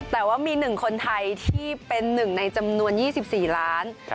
แต่ว่ามี๑คนไทยที่เป็นหนึ่งในจำนวน๒๔ล้าน